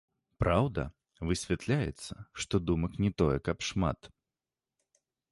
Праўда, высвятляецца, што думак не тое каб шмат.